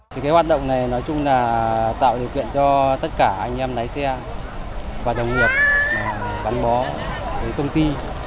thì cái hoạt động này nói chung là tạo điều kiện cho tất cả anh em lái xe và đồng nghiệp gắn bó với công ty